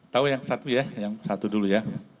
tahu yang satu ya yang satu dulu ya